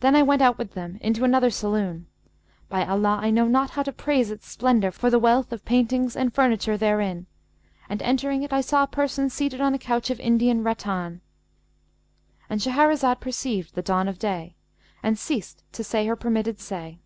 Then I went out with them into another saloon; by Allah, I know not how to praise its splendour for the wealth of paintings and furniture therein; and entering it, I saw a person seated on a couch of Indian rattan"—And Shahrazad perceived the dawn of day and ceased to say her permitted say.